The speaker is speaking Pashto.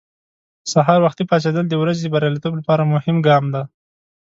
سهار وختي پاڅېدل د ورځې بریالیتوب لپاره مهم ګام دی.